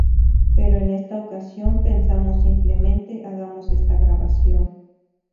Pero en esta ocasión pensamos, 'Simplemente hagamos esta grabación.